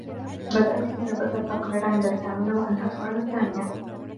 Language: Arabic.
بدأََت كتابة التقرير عند الثامنة و أنهَته على الثانية.